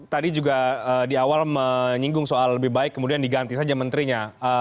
tadi juga di awal menyinggung soal lebih baik kemudian diganti saja menterinya